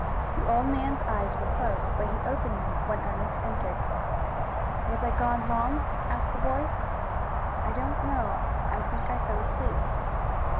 The old man's eyes were closed, but he opened them when Ernest entered. "Was I gone long?" asked the boy. "I don't know. I think I fell asleep."